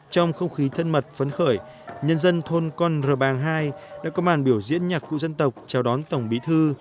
trong không khí thân mật phấn khởi nhân dân thôn con rờ bàng hai đã có màn biểu diễn nhạc cụ dân tộc chào đón tổng bí thư